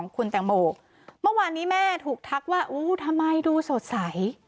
คุณแตงโมเมื่อวานนี้แม่ถูกทักว่าอู้ทำไมดูสดใส